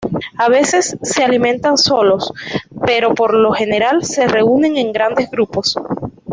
A veces se alimentan solos, pero por lo general se reúnen en grandes grupos.